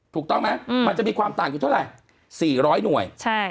ถูกต้องไหมมันจะมีความต่างอยู่เท่าไหร่๔๐๐หน่วย